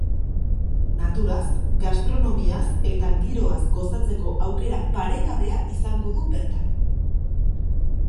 Naturaz, gastronomiaz eta giroaz gozatzeko aukera paregabea izango du bertan.